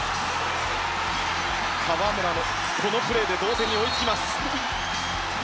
河村のこのプレーで同点に追いつきます。